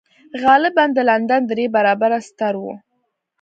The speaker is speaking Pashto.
غالباً د لندن درې برابره ستر و.